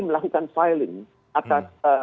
melakukan filing atas